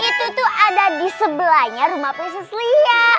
itu tuh ada di sebelahnya rumah pesis lia